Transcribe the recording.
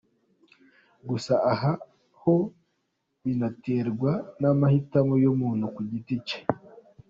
Gusa aha ho binaterwa n’amahitamo y’umuntu ku giti cye.